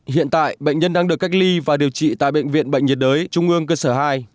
hiện tại bệnh nhân đang được cách ly và điều trị tại bệnh viện bệnh nhiệt đới trung ương cơ sở hai